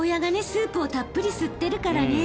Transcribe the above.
スープをたっぷり吸ってるからね。